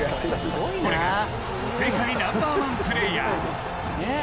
これが世界ナンバーワンプレーヤー。